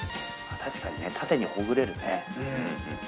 確かにね縦に解れるね。